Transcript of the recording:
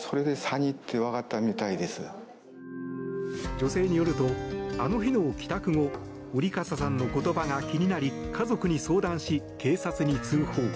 女性によると、あの日の帰宅後折笠さんの言葉が気になり家族に相談し、警察に通報。